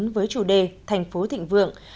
với chủ đề thành phố thịnh vượng